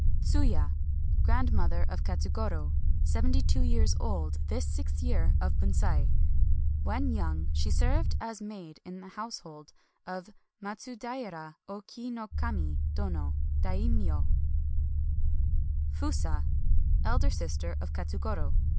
TsUYA. — Grandmother of Katsugoro. Sev enty two years old this sixth year of Bunsei. When young she served as maid in the house hold of Matsudaira Oki no Kami Dono [Dai myo\, FuSA. — Elder sister of Katsugoro.